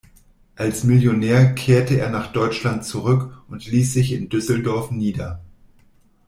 Als Millionär kehrte er nach Deutschland zurück und ließ sich in Düsseldorf nieder.